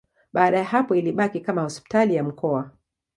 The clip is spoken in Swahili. Baada ya hapo ilibaki kama hospitali ya mkoa.